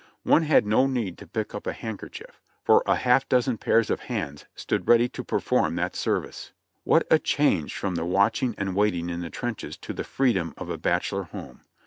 One had no need to pick up a hand kerchief, for a half dozen pair of hands stood ready to perform that service. What a change from the watching and waiting in the trenches to the freedom of a bachelor home.